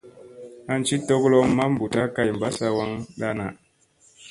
An ci togolomma maa buuta kay mbassa waŋŋa daŋ.